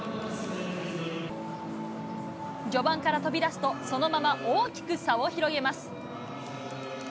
序盤から飛び出すと、そのまま大きく差を広げます。